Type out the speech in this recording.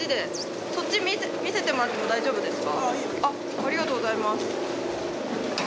ありがとうございます。